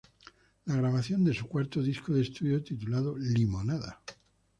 La grabación de su cuarto disco de estudio titulado "Limonada".